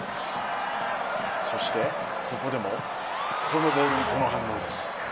そしてここでもこのボールにこの反応です。